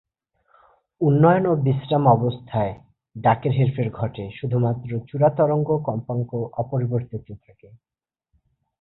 উড্ডয়ন ও বিশ্রাম অবস্থায় ডাকের হেরফের ঘটে; শুধুমাত্র চূড়া তরঙ্গ কম্পাঙ্ক অপরিবর্তিত থাকে।